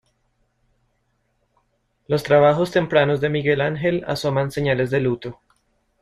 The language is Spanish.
Los trabajos tempranos de Miguel Ángel asoman señales de luto.